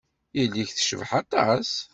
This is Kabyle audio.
Yelli-k tecbeḥ aṭas.